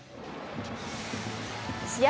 試合